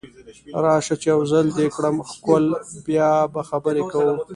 راشه چې یو ځل دې کړم ښکل بیا به خبرې کوو